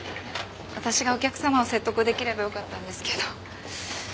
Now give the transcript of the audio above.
私がお客様を説得出来ればよかったんですけど。